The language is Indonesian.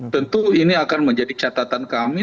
tentu ini akan menjadi catatan kami